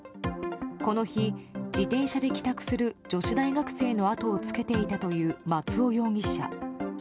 この日、自転車で帰宅する女子大学生の後をつけていたという松尾容疑者。